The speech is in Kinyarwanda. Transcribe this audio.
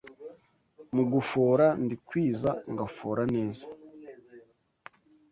Mu gufora ndikwiza ngafora neza